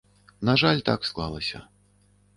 На жаль, так склалася.